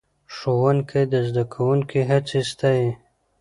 ښوونکی د زده کوونکو هڅې ستایي